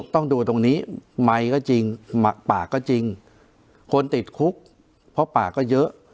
ต้องดูตรงนี้ไมค์ก็จริงปากก็จริงคนติดคุกเพราะป่าก็เยอะ